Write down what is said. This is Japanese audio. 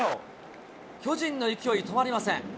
巨人の勢い止まりません。